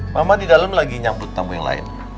mama di dalam lagi nyambut tamu yang lain